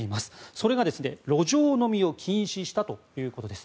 それが路上飲みを禁止したということです。